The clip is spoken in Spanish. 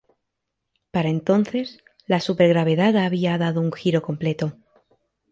Para entonces, la supergravedad había dado un giro completo.